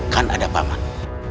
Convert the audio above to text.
kan ada pak man